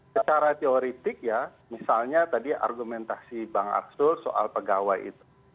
secara teoretik ya misalnya tadi argumentasi bang arsul soal pegawai itu